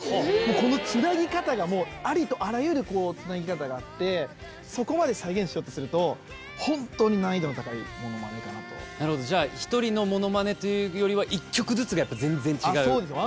このつなぎ方がありとあらゆるつなぎ方があってそこまで再現しようとするとホントに難易度の高いモノマネかなとじゃあ１人のモノマネというよりは１曲ずつが全然違うそうです